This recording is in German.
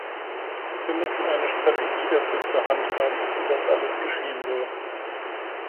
Wir müssen eine Strategie dafür zur Hand haben, wie das alles geschehen soll.